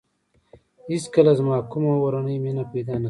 هېڅکله زما کومه اورنۍ مینه پیدا نه شوه.